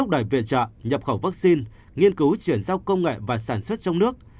đẩy viện trạng nhập khẩu vaccine nghiên cứu chuyển giao công nghệ và sản xuất trong nước